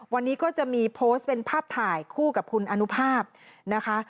วันนี้ก็จะมีโพสต์เป็นภาพถ่ายคู่กับคุณอนุภาพนะคะ